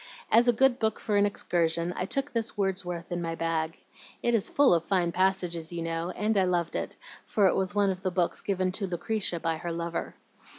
As a good book for an excursion, I took this Wordsworth in my bag. It is full of fine passages, you know, and I loved it, for it was one of the books given to Lucretia by her lover.